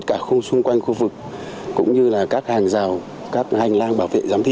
cả khung xung quanh khu vực cũng như là các hàng rào các hành lang bảo vệ giám thị